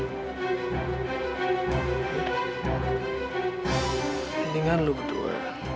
mendingan lu berdua